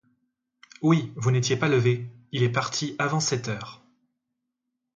Oui, vous n'étiez pas levé, il est parti avant sept heures.